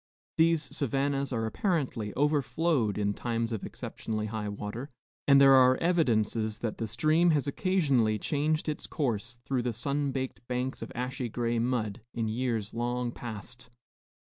These savannas are apparently overflowed in times of exceptionally high water; and there are evidences that the stream has occasionally changed its course, through the sunbaked banks of ashy gray mud, in years long past.